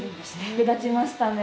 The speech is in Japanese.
役立ちましたね。